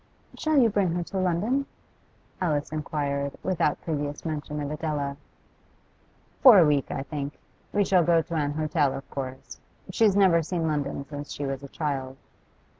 'Shall you bring her to London?' Alice inquired, without previous mention of Adela. 'For a week, I think. We shall go to an hotel, of course. She's never seen London since she was a child.